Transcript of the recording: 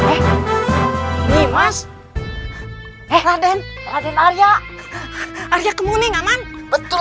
ini mas eh raden raden arya arya kemuning aman betul